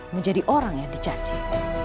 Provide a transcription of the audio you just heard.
menjadi orang yang dicacik